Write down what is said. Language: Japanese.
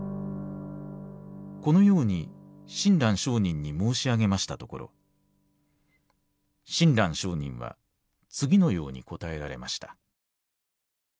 このように親鸞聖人に申しあげましたところ親鸞聖人は次のように答えられました。